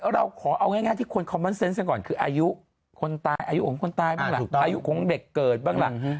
เราขอเอาง่ายที่ควรคอมพันเซ็นซ์กันก่อน